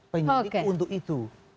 penyelidik untuk itu